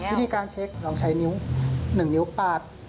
วิธีการเช็คลองใช้นิ้ว๑นิ้วปาด